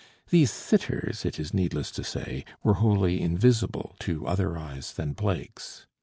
These sitters, it is needless to say, were wholly invisible to other eyes than Blake's.